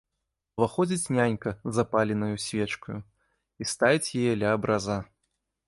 Уваходзіць нянька з запаленаю свечкаю і ставіць яе ля абраза.